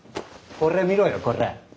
これ見ろよこれ。